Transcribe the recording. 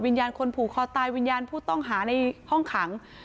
วิญญาณคนผูกคอตายวิญญาณผู้ต้องหาในห้องขัง